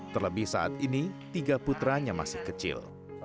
terlebih saat ini tiga putranya masih kecil